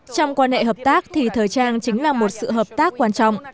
trong quan hệ hợp tác thì thời trang chính là một sự hợp tác quan trọng